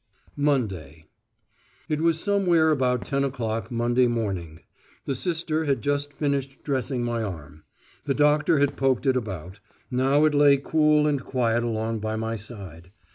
MONDAY It was somewhere about ten o'clock Monday morning. The sister had just finished dressing my arm; the doctor had poked it about; now it lay cool and quiet along by my side.